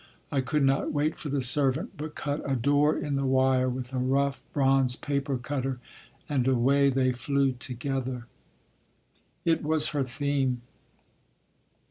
I could not wait for the servant, but cut a door in the wire with a rough bronze paper cutter, and away they flew together." It was her theme.